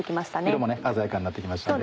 色も鮮やかになって来ました。